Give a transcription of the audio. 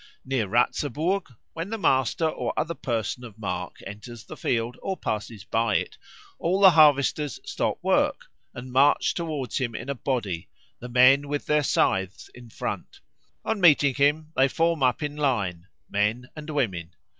Near Ratzeburg, when the master or other person of mark enters the field or passes by it, all the harvesters stop work and march towards him in a body, the men with their scythes in front. On meeting him they form up in line, men and women.